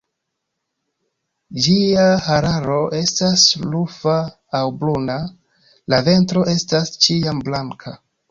Ĝia hararo estas rufa aŭ bruna; la ventro estas ĉiam blanka.